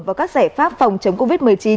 vào các giải pháp phòng chống covid một mươi chín